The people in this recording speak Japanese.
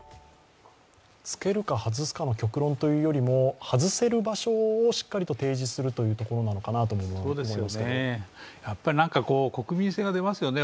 つけるか外すかの極論というよりか外せる場所をしっかりと提示するというところなのかなとも思いますけど。